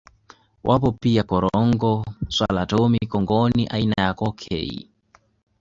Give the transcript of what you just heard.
Wapo pia korongoo swala tomi Kongoni aina ya cokei